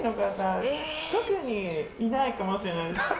特にいないかもしれない。